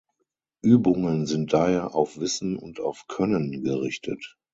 Übungen sind daher auf Wissen und auf Können gerichtet.